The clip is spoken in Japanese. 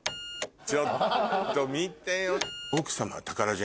ちょっと見てよ。